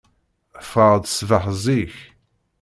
Ffɣeɣ-d ṣṣbeḥ zik.